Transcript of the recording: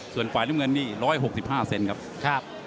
ส่วนฝ่ายน้ำเงินนี่ร้อยหกสิบห้าเซนครับครับ